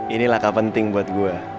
inilah yang penting buat gue